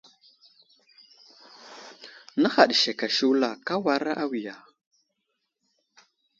Nə̀haɗ sek a shula ,ka wara awiya.